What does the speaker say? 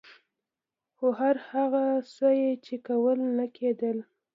خو هر څه یې چې کول نه کېدل.